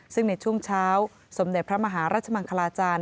ซึ่งในช่วงเช้าสมเด็จพระมหาราชมังคลาจารย์